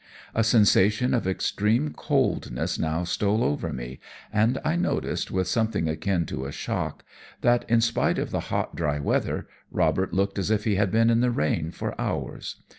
A sensation of extreme coldness now stole over me, and I noticed with something akin to a shock that, in spite of the hot, dry weather, Robert looked as if he had been in the rain for hours.